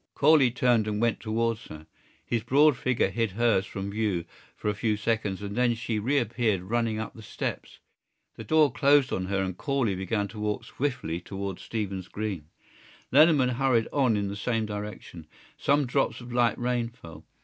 Corley turned and went towards her. His broad figure hid hers from view for a few seconds and then she reappeared running up the steps. The door closed on her and Corley began to walk swiftly towards Stephen's Green. Lenehan hurried on in the same direction. Some drops of light rain fell.